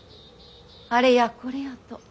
あれやこれやと。